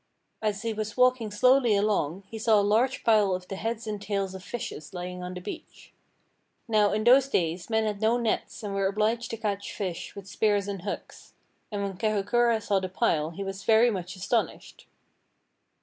As he was walking slowly along, he saw a large pile of the heads and tails of fishes lying on the beach. Now, in those days men had no nets and were obliged to catch fish with spears and hooks; and when Kahukura saw the pile he was very much astonished.